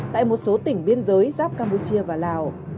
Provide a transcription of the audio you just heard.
tại một số tỉnh biên giới giáp campuchia và lào